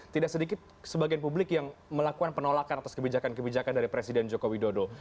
tidak sedikit sebagian publik yang melakukan penolakan atas kebijakan kebijakan dari presiden joko widodo